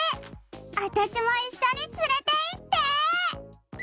あたしもいっしょにつれていって！